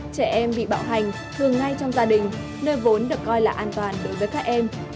trẻ em bị bạo hành thường ngay trong gia đình nơi vốn được coi là an toàn đối với các em